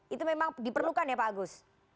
itu memang diperlukan ya pak agus